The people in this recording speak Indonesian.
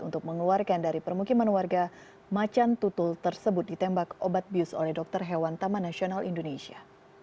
untuk mengeluarkan dari permukiman warga macan tutul tersebut ditembak obat bius oleh dokter hewan taman nasional indonesia